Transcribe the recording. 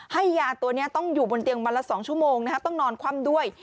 ให้ยาตัวนี้ต้องอยู่บนเตียงวันละ๒ชั่วโมงต้องนอนคว่ำด้วย